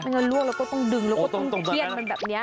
เป็นการล่วงแล้วก็ต้องดึงแล้วก็ต้องเครียดมันแบบนี้